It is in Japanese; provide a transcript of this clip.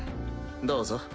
どうぞ。